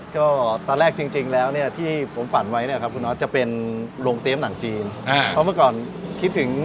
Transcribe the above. ก็ตอนแรกจริงแล้วนี่ที่ผมฝันไว้ครับคุณออสจะเป็นลงเตี๊มหนังจีน